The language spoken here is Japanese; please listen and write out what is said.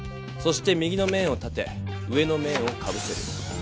そして右の面を立て上の面をかぶせる。